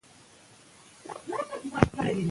کلتور به خوندي وي.